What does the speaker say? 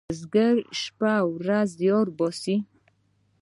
بزگر شپه او ورځ زیار باسي.